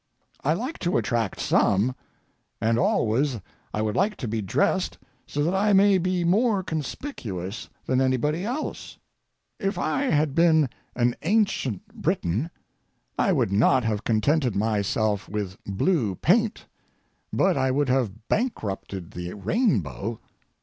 I like to attract some, and always I would like to be dressed so that I may be more conspicuous than anybody else. If I had been an ancient Briton, I would not have contented myself with blue paint, but I would have bankrupted the rainbow.